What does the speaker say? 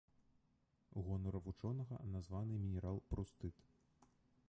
У гонар вучонага названы мінерал прустыт.